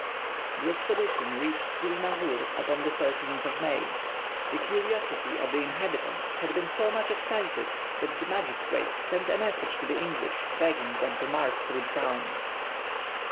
The expedition reached Sirinagur upon the 13th of May. The curiosity of the inhabitants had been so much excited that the magistrates sent a message to the English begging them to march through the town.